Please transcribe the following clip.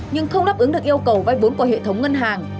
nhưng không đáp ứng được yêu cầu vay vốn của hệ thống ngân hàng